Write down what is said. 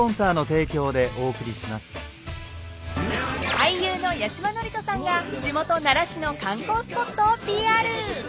［俳優の八嶋智人さんが地元奈良市の観光スポットをＰＲ］